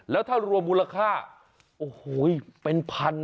แล้วถ้ารวมมูลค่าโอ้โหเป็นพัน